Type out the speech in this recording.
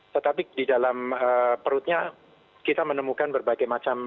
tetapi di dalam perutnya kita menemukan berbagai macam